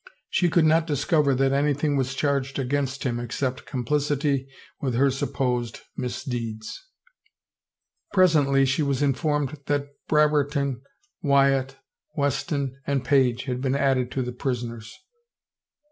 She could not discover that anything was charged against him except complicity with her supposed misdeeds. 334 THE TOWER Presently she was informed that Brereton, Wyatt, Weston and Page had been added to the prisoners.